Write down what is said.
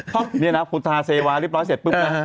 ผมนี่นะของทาเซวร์ริปร้อมเสร็จปุ๊บมา